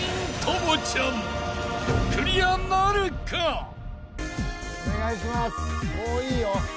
もういいよ。